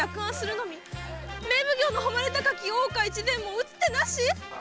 「名奉行の誉れ高き大岡越前も打つ手なし」